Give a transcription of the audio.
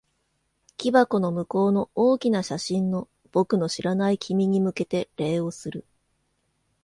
木箱の向こうの大きな写真の、僕の知らない君に向けて礼をする。